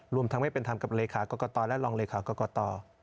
รวมทั้งไม่เป็นธรรมกับเลขากรกตและรองเลขากรกต